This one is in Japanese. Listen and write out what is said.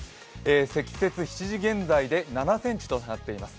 積雪、７時現在で７ｃｍとなっています。